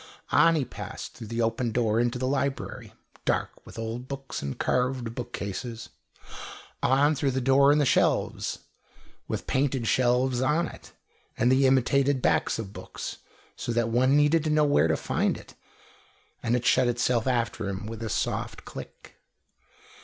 On he passed through the open door into the library, dark with old books and carved bookcases; on through the door in the shelves, with painted shelves on it, and the imitated backs of books, so that one needed to know where to find it and it shut itself after him with a soft click.